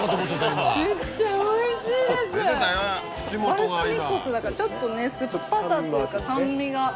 バルサミコ酢だからちょっとね酸っぱさというか酸味が。